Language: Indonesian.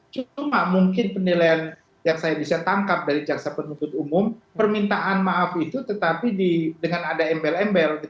cuma mungkin penilaian yang saya bisa tangkap dari jaksa penuntut umum permintaan maaf itu tetapi dengan ada embel ember